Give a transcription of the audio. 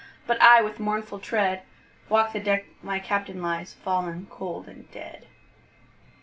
But I with mournful tread, Walk the deck my Captain lies, Fallen Cold and Dead.